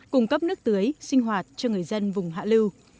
cung cấp nước tưới sinh hoạt cho người dân vùng hạ lưu